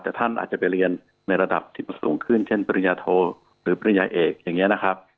แต่ท่านอาจจะไปเรียนในระดับที่มันสูงขึ้นเช่นปริญญาโทหรือปริญญาเอกอย่างนี้นะครับ